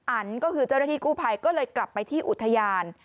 อันก็คือเจ้าหน้าที่กู้ภัยก็เลยกลับไปที่อุทยาน